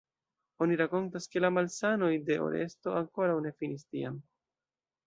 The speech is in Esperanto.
Oni rakontas ke la malsanoj de Oresto ankoraŭ ne finis tiam.